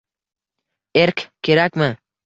Erk kerakmi?